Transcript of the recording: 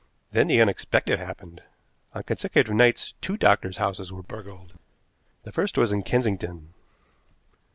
Then the unexpected happened. On consecutive nights two doctors' houses were burgled. The first was in Kensington.